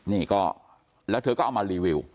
นี่ก็แล้วเธอก็เอามารีวิว